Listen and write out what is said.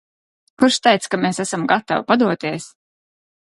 Kurš teica, ka mēs esam gatavi padoties?